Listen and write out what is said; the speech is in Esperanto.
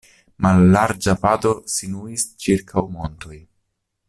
Mallarĝa pado sinuis ĉirkaŭ montoj.